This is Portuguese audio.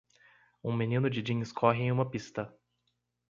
Um menino de jeans corre em uma pista.